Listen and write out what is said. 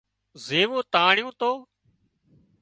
زيوون تانڻيون تو